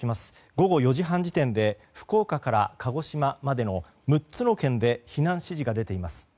午後４時半時点で福岡から鹿児島までの６つの県で避難指示が出ています。